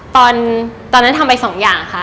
ตอนนั้นทำไปสองอย่างค่ะ